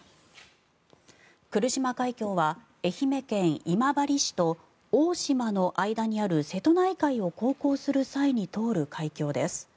来島海峡は愛媛県今治市と大島の間にある瀬戸内海を航行する際に通る海峡です。